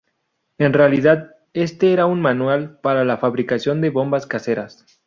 En realidad, este era un manual para la fabricación de bombas caseras.